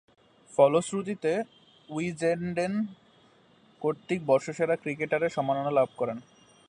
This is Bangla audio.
ফলশ্রুতিতে উইজডেন কর্তৃক বর্ষসেরা ক্রিকেটারের সম্মাননা লাভ করেন।